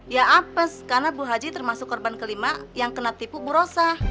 ya apes karena bu haji termasuk korban kelima yang kena tipu burosa